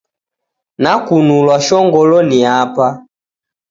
Nakunulwa shongolo ni Apa